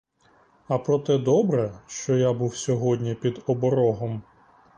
А проте добре, що я був сьогодні під оборогом.